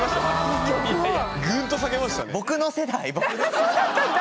ぐんと下げましたね。